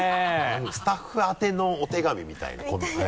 スタッフ宛てのお手紙みたいなことね。